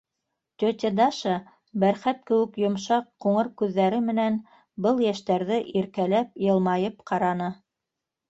Тетя Даша бәрхәт кеүек йомшаҡ ҡуңыр күҙҙәре менән был йәштәрҙе иркәләп йылмайып ҡараны.